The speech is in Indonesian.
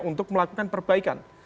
untuk melakukan perbaikan